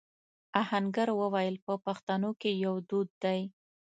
آهنګر وويل: په پښتنو کې يو دود دی.